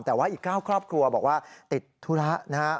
แต่ว่าอีก๙ครอบครัวบอกว่าติดธุระนะฮะ